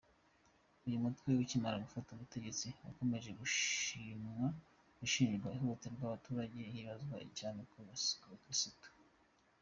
Uyu mutwe ukimara gufata ubutegetsi, wakomeje gushinjwa guhohotera abaturage, hibanzwe cyane ku bakirisitu.